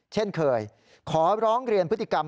เช่นเคยขอร้องเรียนพฤติกรรม